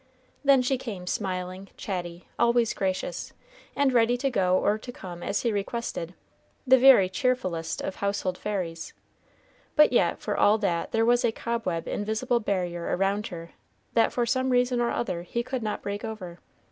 Then she came smiling, chatty, always gracious, and ready to go or to come as he requested, the very cheerfulest of household fairies, but yet for all that there was a cobweb invisible barrier around her that for some reason or other he could not break over.